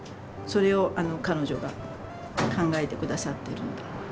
それを彼女が考えて下さってるので。